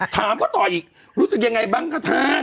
ถามก็ต่ออีกรู้สึกยังไงบ้างก็แท้